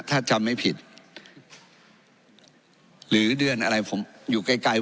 ถ้าจำไม่ผิดหรือเดือนอะไรผมอยู่ใกล้ใกล้